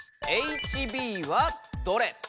「ＨＢはどれ？」。